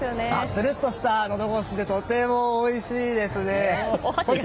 つるっとしたのどごしでとでもおいしいですね。